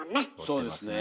そうですね。